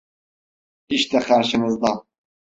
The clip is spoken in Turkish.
İşte karşınızda.